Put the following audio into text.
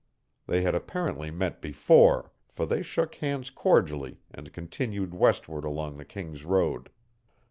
They had apparently met before, for they shook hands cordially and continued westward along the King's Road.